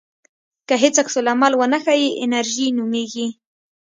که هیڅ عکس العمل ونه ښیې انېرژي نومېږي.